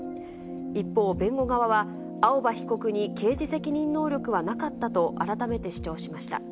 一方、弁護側は、青葉被告に刑事責任能力はなかったと改めて主張しました。